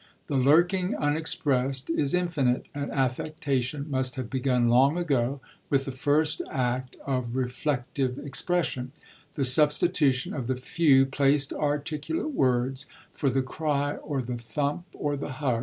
The lurking unexpressed is infinite, and affectation must have begun, long ago, with the first act of reflective expression the substitution of the few placed articulate words for the cry or the thump or the hug.